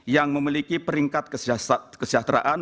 yang memiliki peringkat kesejahteraan